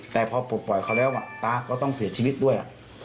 แต่พอปลดปล่อยเขาแล้วตาก็ต้องเสียชีวิตด้วย